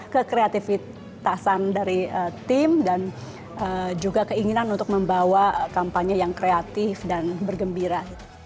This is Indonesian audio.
kekreativitasan dari tim dan juga keinginan untuk membawa kampanye yang kreatif dan bergembira